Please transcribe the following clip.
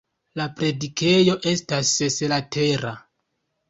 La predikejo estas seslatera.